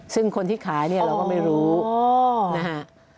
ซึ่งคนที่ขายเนี่ยเราก็ไม่รู้นะฮะ